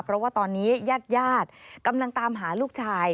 เพราะว่าตอนนี้ยาดกำลังตามหาลูกชาย